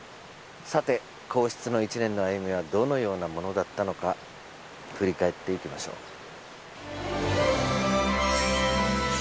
さて皇室の一年のあゆみはどのようなものだったのか振り返っていきましょう。